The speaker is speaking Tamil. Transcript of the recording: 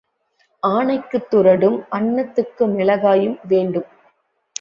ஆனைக்குத் துறடும் அன்னத்துக்கு மிளகாயும் வேண்டும்.